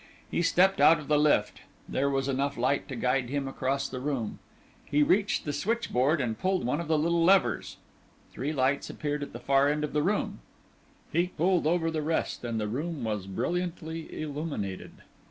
He stepped out of the lift; there was enough light to guide him across the room. He reached the switchboard and pulled one of the little levers. Three lights appeared at the far end of the room; he pulled over the rest and the room was brilliantly illuminated.